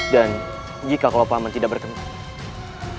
dan jika kalau paman tidak berkenan